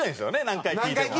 何回聞いても。